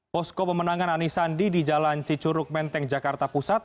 posko pemenangan anies sandi di jalan cicuruk menteng jakarta pusat